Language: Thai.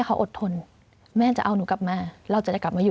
เขาอดทนแม่จะเอาหนูกลับมาเราจะกลับมาอยู่